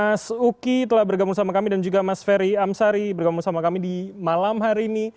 mas uki telah bergabung sama kami dan juga mas ferry amsari bergabung sama kami di malam hari ini